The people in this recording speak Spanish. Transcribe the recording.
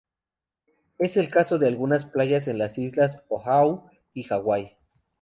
Es el caso de algunas playas en las islas de Oahu y Hawái.